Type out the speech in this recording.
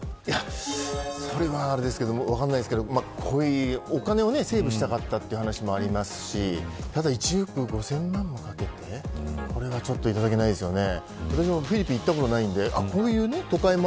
それが分からないですけどお金をセーブしたかったという話もありますしただ１億５０００万もかけてこれはちょっといただけないですよね。